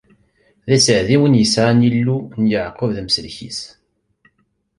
D aseɛdi win yesɛan Illu n Yeɛqub d amsellek-is.